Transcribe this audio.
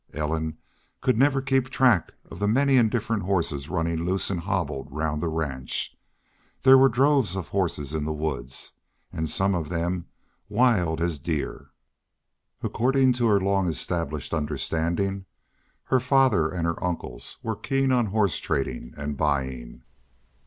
Ellen could never keep track of the many and different horses running loose and hobbled round the ranch. There were droves of horses in the woods, and some of them wild as deer. According to her long established understanding, her father and her uncles were keen on horse trading and buying.